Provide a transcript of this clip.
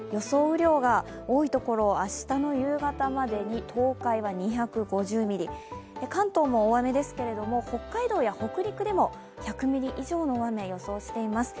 雨量が多いところ、あす夕方までに東海は２５０ミリ、関東も大雨ですけれども北海道や北陸でも１００ミリ以上の大雨、予想しています。